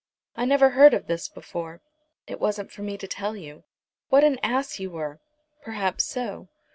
"I never heard of this before." "It wasn't for me to tell you." "What an ass you were." "Perhaps so.